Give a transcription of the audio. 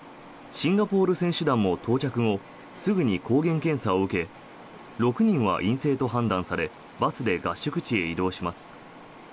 シンガポール選手団も到着後すぐに抗原検査を受け６人は陰性と判断されバスで合宿地へ移動します。